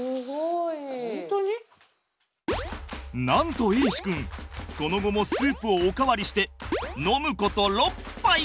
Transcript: なんと瑛志くんその後もスープをおかわりして飲むこと６杯！